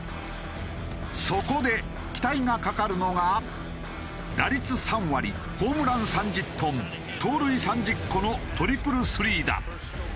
そこで期待がかかるのが打率３割ホームラン３０本盗塁３０個のトリプルスリーだ。